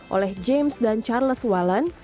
oleh james dan charles wallen